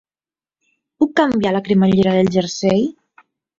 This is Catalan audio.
Puc canviar la cremallera del jersei?